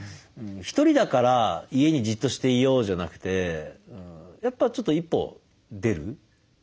「ひとりだから家にじっとしていよう」じゃなくてやっぱちょっと一歩出る。